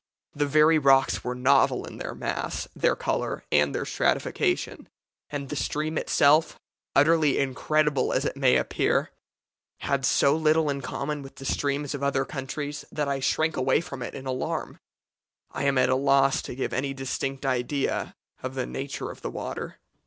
The very rocks were novel in their mass, their colour, and their stratification; and the stream itself, utterly incredible as it may appear, had so little in common with the streams of other countries that I shrank away from it in alarm. I am at a loss to give any distinct idea of the nature of the water.